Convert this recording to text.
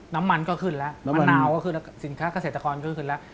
น้ำมันก็ขึ้นแล้วมะนาวก็ขึ้นแล้วสินค้าเกษตรกรก็ขึ้นแล้ว